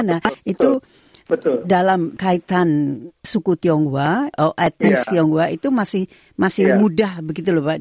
nah itu dalam kaitan suku tionghoa etnis tionghoa itu masih mudah begitu loh pak